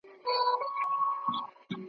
مزه اخلي هم له سپکو هم ښکنځلو `